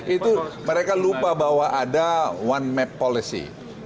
itu mereka lupa bahwa ada one map policy